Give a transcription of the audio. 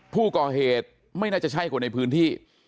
ผู้ก่อเหตุไม่น่าจะใช่คนในพื้นที่